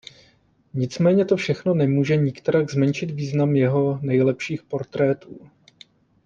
Nicméně to všechno nemůže nikterak zmenšit význam jeho nejlepších portrétů.